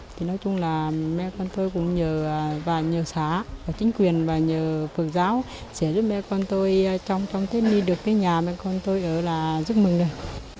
thì nói chung là mẹ con tôi cũng nhờ và nhờ xã và chính quyền và nhờ phật giáo sẽ giúp mẹ con tôi trong thết niên được cái nhà mẹ con tôi ở là rất mừng đấy